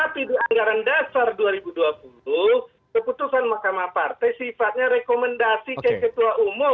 tapi di anggaran dasar dua ribu dua puluh keputusan mahkamah partai sifatnya rekomendasi kayak ketua umum